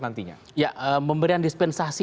nantinya ya memberian dispensasi